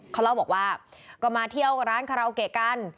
เขาเล่าบอกว่าก็มาเที่ยวร้านคาราโอเกะกัน